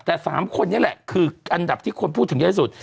แต่๓คนนี้แหละคืออันดับที่คนพูดถึงเยอะที่สุด